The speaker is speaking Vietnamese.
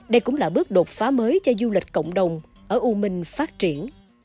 đây cũng là bước đột phá mới cho du lịch cộng đồng ở u minh phát triển